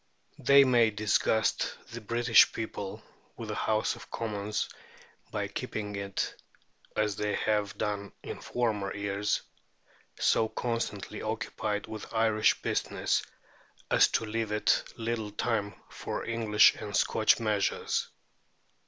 They may disgust the British people with the House of Commons by keeping it (as they have done in former years) so constantly occupied with Irish business as to leave it little time for English and Scotch measures.